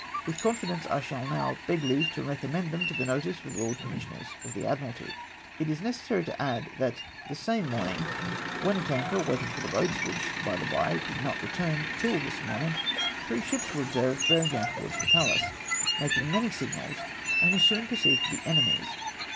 With confidence I shall now beg leave to recom mend them to the notice of the Lord Commissioners of the Admiralty. " It is necessary to add, that the same morning, when at anchor waiting for the boats (which, by the by, did not return till this morning), three ships were observed bearing down towards the Pallas, making many signals, and were soon perceived to be enemies.